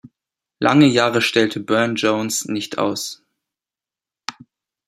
Lange Jahre stellte Burne-Jones nicht aus.